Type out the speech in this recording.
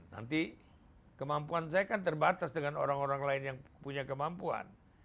nanti kemampuan saya kan terbatas dengan orang orang lain yang punya kemampuan